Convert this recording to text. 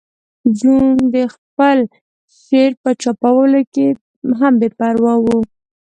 جون د خپل شعر په چاپولو کې هم بې پروا و